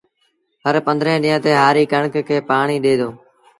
هرپنڌرهين ڏيݩهݩ تي هآري ڪڻڪ کي پآڻيٚ ڏي دو